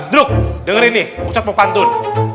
duduk dengerin nih ustadz mau pantun